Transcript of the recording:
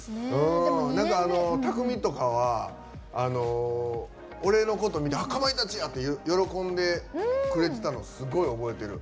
なんか、拓実とかは俺のこと見て「かまいたちや！」って喜んでくれてたのすごい覚えてる。